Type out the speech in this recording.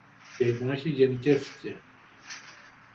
Και η μάχη γενικεύθηκε